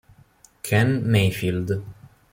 Ken Mayfield